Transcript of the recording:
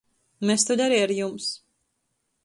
Mes tod ari ar jums!